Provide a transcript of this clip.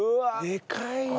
でかいよ。